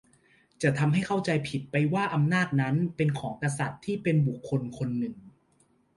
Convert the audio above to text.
จะทำให้เข้าใจผิดไปว่าอำนาจนั้นเป็นของกษัตริย์ที่เป็นบุคคลคนหนึ่ง